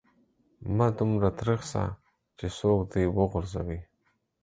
مه دومره تريخ سه چې څوک دي و غورځوي.